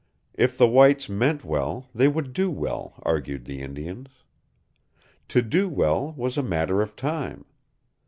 If the whites meant well, they would do well, argued the Indians. To do well was a matter of time.